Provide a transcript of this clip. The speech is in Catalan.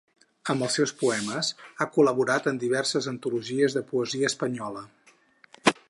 Amb els seus poemes ha col·laborat en diverses antologies de poesia espanyola.